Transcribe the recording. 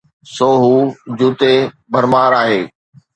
سو هو جوتي پرمار آهي.